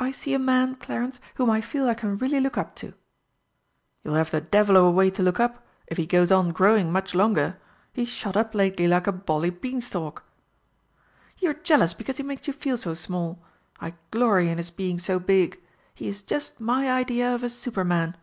"I see a man, Clarence, whom I feel I can really look up to." "You'll have the devil of a way to look up, if he goes on growing much longer. He's shot up lately like a bally beanstalk!" "You are jealous because he makes you feel so small. I glory in his being so big. He is just my idea of a superman!"